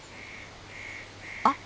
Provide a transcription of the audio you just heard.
あっ！